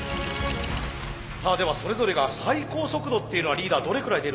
ではそれぞれが最高速度っていうのはリーダーどれくらい出るんでしょう？